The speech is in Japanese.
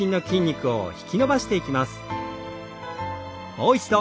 もう一度。